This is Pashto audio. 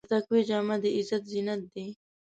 د تقوی جامه د عزت زینت دی.